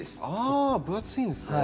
あ分厚いんですね。